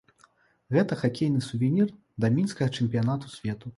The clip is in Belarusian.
Гэта хакейны сувенір да мінскага чэмпіянату свету.